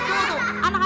anak anak jangan lupa